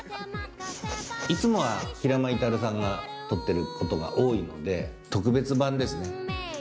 いつもは平間至さんが撮ってることが多いので特別版ですね。